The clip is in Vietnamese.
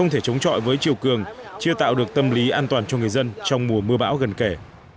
triều cường chưa tạo được tâm lý an toàn cho người dân trong mùa mưa bão gần kể